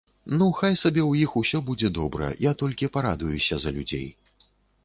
Ну, хай сабе ў іх усё будзе добра, я толькі парадуюся за людзей.